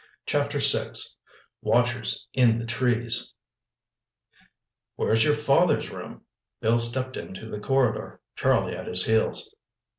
Chapter VI WATCHERS IN THE TREES "Where's your father's room?" Bill stepped into the corridor, Charlie at his heels.